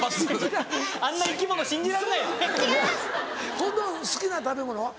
近藤好きな食べ物は？